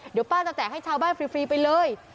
เดี๋ยวป้าจะแจกให้ชาวบ้านฟรีไปเลย